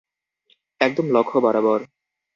একদম লক্ষ্য বরাবর।